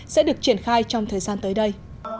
sẽ được triển khai trong thời gian tới đây